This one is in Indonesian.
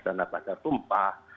karena pasar tumpah